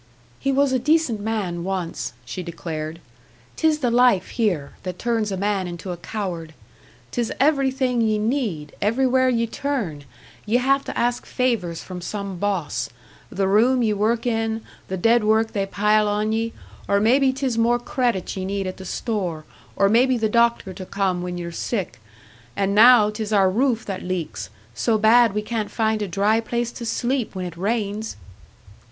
"He was a decent man once," she declared. "'Tis the life here, that turns a man into a coward. 'Tis everything ye need, everywhere ye turn ye have to ask favours from some boss. The room ye work in, the dead work they pile on ye; or maybe 'tis more credit ye need at the store, or maybe the doctor to come when ye're sick. Just now 'tis our roof that leaks so bad we can't find a dry place to sleep when it rains."